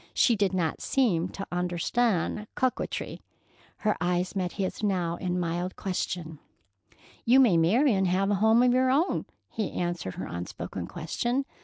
She did not seem to understand coquetry. Her eyes met his now in mild question. "You may marry and have a home of your own," he answered her unspoken question.